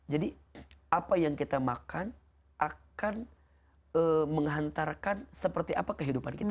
jadi apa yang kita makan akan menghantarkan seperti apa kehidupan kita